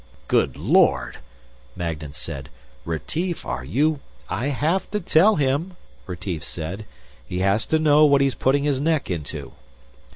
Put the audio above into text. "Good lord!" Magnan said. "Retief, are you " "I have to tell him," Retief said. "He has to know what he's putting his neck into."